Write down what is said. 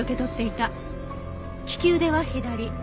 利き腕は左。